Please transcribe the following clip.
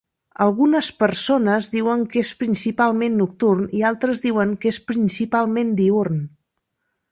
Algunes persones diuen que és principalment nocturn i altres diuen que és principalment diürn.